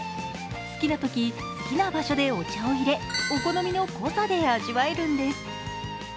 好きなとき、好きな場所でお茶を入れ、お好みの濃さで味わえるんです。